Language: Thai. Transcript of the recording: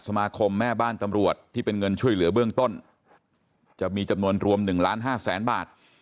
สมาคมแม่บ้านตำรวจที่เป็นเงินช่วยเหลือเบื้องต้นจะมีจำนวนรวม๑ล้านห้าแสนบาท